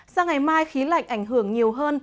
sang ngày mai khí lạnh ảnh hưởng nhiều hơn